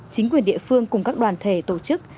chính quyền địa phương cùng các đoàn thể tổ chức